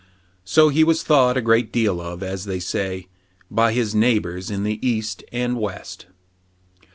So he was thought a great deal of, as they say, " by his neighboi!«6 in the East and West."